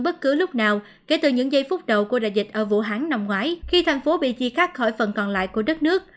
bất cứ lúc nào kể từ những giây phút đầu của đại dịch ở vũ hán năm ngoái khi thành phố bị chia cắt khỏi phần còn lại của đất nước